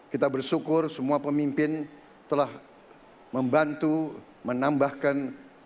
kita bersyukur semua pemimpin telah membantu menambahkan